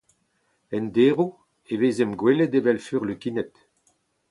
En deroù e vezemp gwelet evel furlukined.